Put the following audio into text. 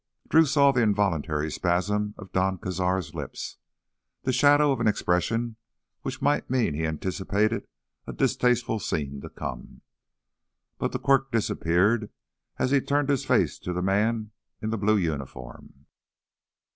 Drew saw the involuntary spasm of Don Cazar's lips, the shadow of an expression which might mean he anticipated a distasteful scene to come. But the quirk disappeared as he turned to face the man in the blue uniform.